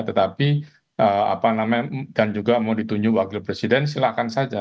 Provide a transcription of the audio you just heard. tetapi dan juga mau ditunjuk agglomerasi presiden silahkan saja